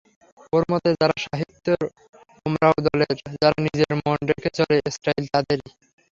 ওর মতে যারা সাহিত্যের ওমরাও-দলের, যারা নিজের মন রেখে চলে, স্টাইল তাদেরই।